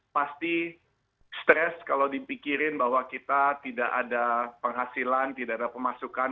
pasti stres kalau dipikirin bahwa kita tidak ada penghasilan tidak ada pemasukan